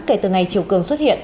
kể từ ngày triều cường xuất hiện